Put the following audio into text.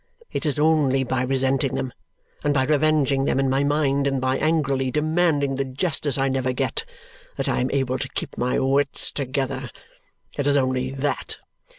It is only by resenting them, and by revenging them in my mind, and by angrily demanding the justice I never get, that I am able to keep my wits together. It is only that!"